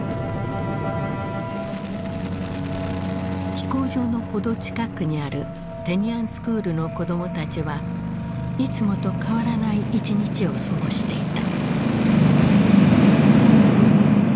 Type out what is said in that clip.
飛行場の程近くにあるテニアンスクールの子供たちはいつもと変わらない一日を過ごしていた。